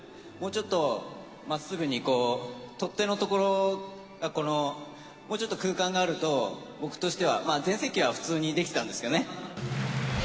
もうちょっと、まっすぐにこう、取っ手のところが、もうちょっと空間があると、僕としては、まあ、全盛期は普通にできてたんですけどね。